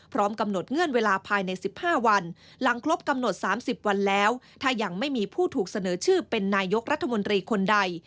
พร้อมกำหนดเงื่อนเวลาภายใน๑๕วันหลังครบกำหนด๓๐วันแล้วถ้ายังไม่มีผู้ถูกเสนอชื่อเป็นนายกรัฐมนตรีคนใด